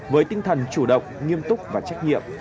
với tinh thần chủ động nghiêm túc và trách nhiệm